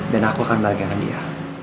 dan aku akan bahagia dengan dia